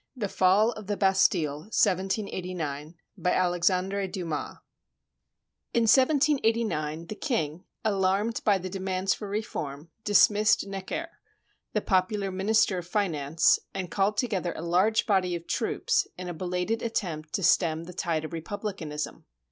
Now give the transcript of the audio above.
THE FALL OF THE BASTILLE ^ BY ALEXANDRE DUMAS [In 1789, the king, alarmed by the demands for reform, dis missed Necker, the popular Minister of Finance, and called together a large body of troops in a belated attempt to stem the tide of republicanism.